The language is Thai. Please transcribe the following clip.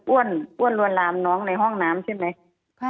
อ้วนลวนลามน้องในห้องน้ำใช่ไหม